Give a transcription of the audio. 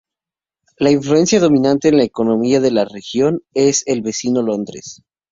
La influencia dominante en la economía de la región es el vecino Londres.